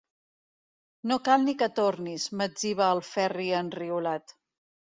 No cal ni que tornis –m'etziba el Ferri enriolat.